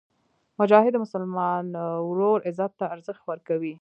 مجاهد د مسلمان ورور عزت ته ارزښت ورکوي.